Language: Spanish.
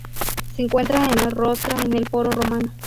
Se encuentra en los Rostra en el Foro Romano.